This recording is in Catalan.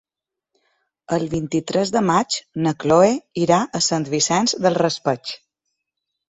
El vint-i-tres de maig na Chloé irà a Sant Vicent del Raspeig.